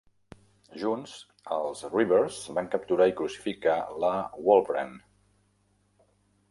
Junts, els Reavers van capturar i crucificar la Wolverine.